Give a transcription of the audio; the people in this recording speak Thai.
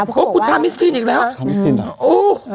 เพราะว่าโอ้โหกุชธามิสซินอีกแล้วอืม